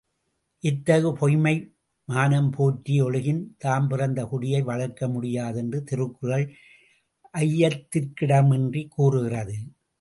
இத்தகு பொய்ம்மை மானம்போற்றி ஒழுகின் தாம் பிறந்த குடியை வளர்க்கமுடியாது என்று திருக்குறள் ஐயத்திர்கிடமின்றிக் கூறுகிறது!